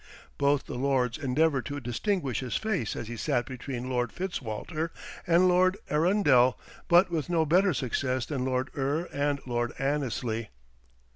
Both the lords endeavoured to distinguish his face as he sat between Lord Fitzwalter and Lord Arundel, but with no better success than Lord Eure and Lord Annesley.